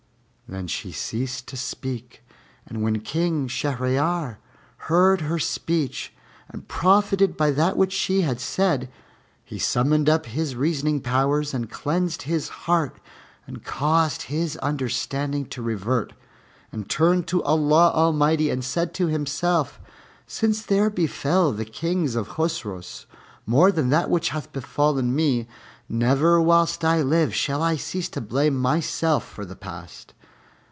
Then she ceased to speak, and when King Shahryar heard her speech and profited by that which she had said, he summoned up his reasoning powers and cleansed his heart and caused his understanding to revert, and turned to Allah Almighty and said to himself, "Since there befell the Kings of the Chosroës more than that which hath befallen me, never whilst I live shall I cease to blame myself for the past.